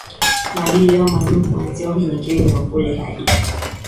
maadili yao maalumu kuanzia unyenyekevu na upole hadi